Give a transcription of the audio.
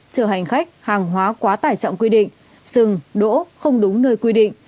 chờ hành khách hàng hóa quá tải trọng quy định sừng đỗ không đúng nơi quy định